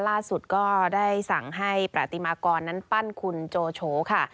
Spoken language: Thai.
ล่าสุดก็ได้สั่งให้ประติมากรนั้นปั้นคุณโจโฉค่ะ